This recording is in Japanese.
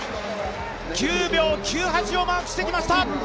９秒９８をマークしてきました。